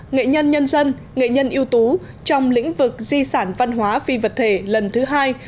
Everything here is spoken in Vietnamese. nghệ nhân nhân dân nghệ nhân yếu tố trong lĩnh vực di sản văn hóa phi vật thể lần thứ hai